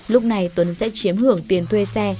lúc này tuấn sẽ chiếm hưởng tiền thuê xe